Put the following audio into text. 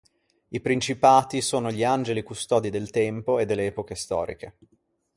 I principati sono gli angeli custodi del tempo e delle epoche storiche.